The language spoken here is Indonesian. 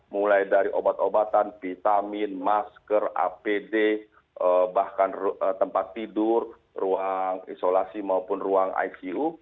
mulai dari obat obatan vitamin masker apd bahkan tempat tidur ruang isolasi maupun ruang icu